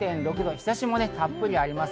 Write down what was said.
日差しもたっぷりあります。